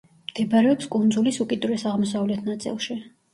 მდებარეობს კუნძულის უკიდურეს აღმოსავლეთ ნაწილში.